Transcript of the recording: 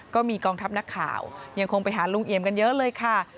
ก็มีกองทัพนักข่าวยังคงไปหาลุงเอี่ยมกันเยอะเลยค่ะ